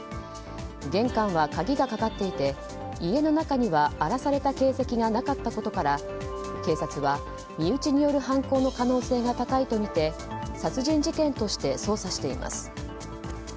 玄関は鍵がかかっていて家の中には荒らされた形跡がなかったことから警察は身内による犯行の可能性が高いとみて殺人事件として捜査しています。